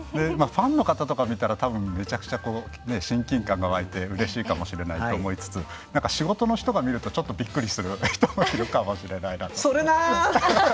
ファンの方とか見たら多分、めちゃくちゃ親近感が湧いてうれしいかもしれないと思いつつ仕事の人が見るとちょっと、びっくりする人もいるかもしれないなと。